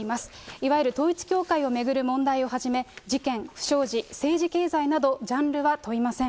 いわゆる統一教会を巡る問題をはじめ、事件、不祥事、政治、経済など、ジャンルは問いません。